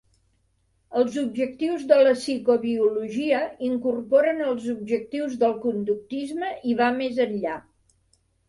Els objectius de la psicobiologia incorporen els objectius del conductisme i va més enllà.